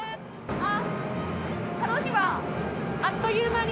あっ！